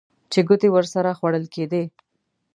چې ګوتې ورسره خوړل کېدې.